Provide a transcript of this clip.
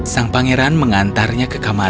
sang pangeran mengantarnya ke kamar